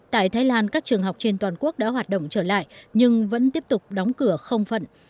tại thái lan các trường học trên toàn quốc đã hoạt động trở lại nhưng vẫn tiếp tục đóng cửa không phận